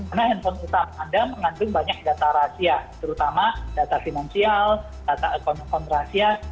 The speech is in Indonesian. karena handphone utama anda mengandung banyak data rahasia terutama data finansial data akun akun rahasia